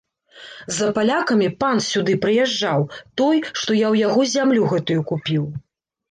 За палякамі пан сюды прыязджаў, той, што я ў яго зямлю гэтую купіў.